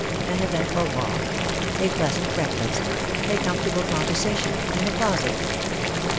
* AN EVENTFUL WALK. —' A, PLEASANT BREAKBAST. A COMFORTABLE CONVERSATION IN A. CLOSET.